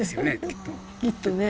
きっとね。